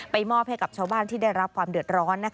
มอบให้กับชาวบ้านที่ได้รับความเดือดร้อน